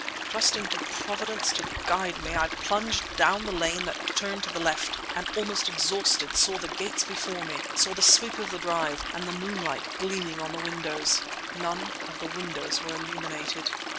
Trusting to Providence to guide me, I plunged down the lane that turned to the left, and, almost exhausted, saw the gates before me—saw the sweep of the drive, and the moonlight, gleaming on the windows! None of the windows were illuminated.